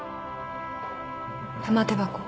玉手箱。